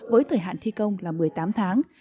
với thời hạn thi công là một mươi tám tháng